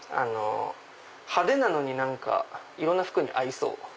派手なのにいろんな服に合いそう。